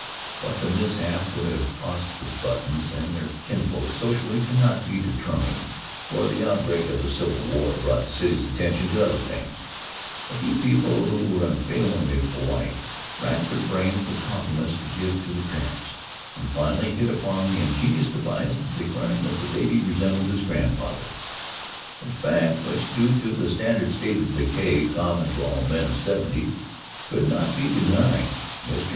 What the mishap would have cost the Buttons and their kinsfolk socially cannot be determined, for the outbreak of the Civil War drew the city's attention to other things. A few people who were unfailingly polite racked their brains for compliments to give to the parents and finally hit upon the ingenious device of declaring that the baby resembled his grandfather, a fact which, due to the standard state of decay common to all men of seventy, could not be denied. Mr.